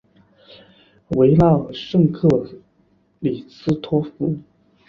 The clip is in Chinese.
维拉尔圣克里斯托夫。